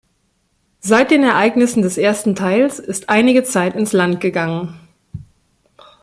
Seit den Ereignissen des ersten Teils ist einige Zeit ins Land gegangen.